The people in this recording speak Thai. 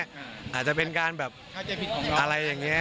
อาจจะเป็นการแบบอะไรอย่างนี้